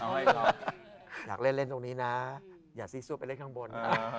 หลังหาล่างเล่นตรงนี้นะอย่าซีซู้ไปเล่นข้างบน